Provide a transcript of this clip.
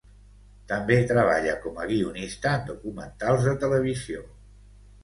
També treballa com a guionista en documentals de televisió.